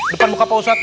depan muka pak ustaz